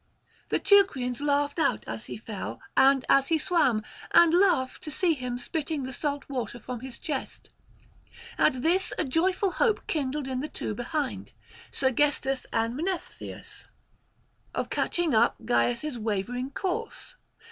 The Teucrians laughed out as he fell and as he swam, and laugh to see him spitting the salt water from his chest. At this a joyful hope kindled in the two behind, Sergestus and Mnestheus, of catching up Gyas' wavering course.